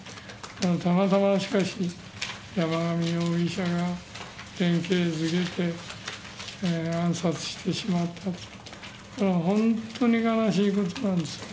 たまたま、しかし、山上容疑者がいれて暗殺してしまったと、本当に悲しいことなんです。